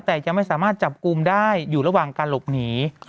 แต่ยังไม่สามารถจับกลุ่มได้อยู่ระหว่างการหลบหนี